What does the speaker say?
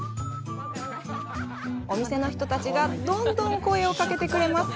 お店の人たちがどんどん声をかけてくれます。